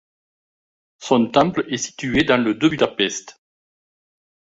Son temple est situé dans le de Budapest.